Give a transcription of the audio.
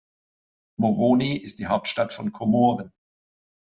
Moroni ist die Hauptstadt von Komoren.